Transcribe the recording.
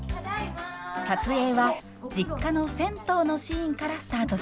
撮影は実家の銭湯のシーンからスタートしました。